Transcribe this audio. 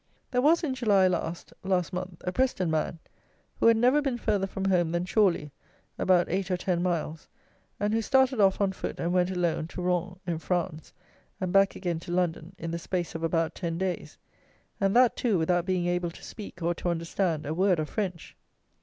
There was, in July last (last month) a Preston man, who had never been further from home than Chorley (about eight or ten miles), and who started off, on foot, and went, alone, to Rouen, in France, and back again to London, in the space of about ten days; and that, too, without being able to speak, or to understand, a word of French.